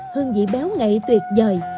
hương vị béo ngậy tuyệt vời